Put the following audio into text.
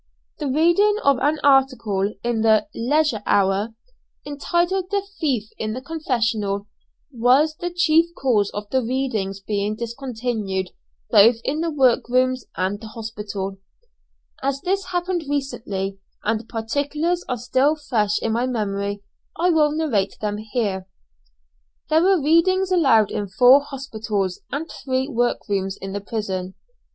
The reading of an article in the "Leisure Hour," entitled the "Thief in the Confessional," was the chief cause of the readings being discontinued both in the work rooms and the hospital. As this happened recently and the particulars are still fresh in my memory I will narrate them here. There were readings aloud in four hospital and three work rooms in the prison.